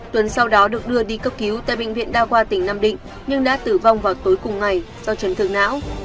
tuấn sau đó được đưa đi cấp cứu tại bệnh viện đa khoa tỉnh nam định nhưng đã tử vong vào tối cùng ngày do chấn thương não